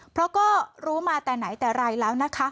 เพราะก็รู้มาแต่ไหนแต่ไรแล้วนะคะ